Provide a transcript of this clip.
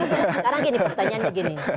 sekarang pertanyaannya gini